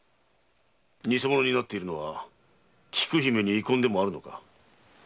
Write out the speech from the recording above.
偽者になっているのは菊姫に遺恨でもあるのか？